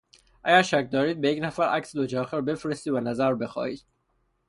اگر شک دارید به یک نفر عکس دوچرخه را بفرستید و نظر بخواهید.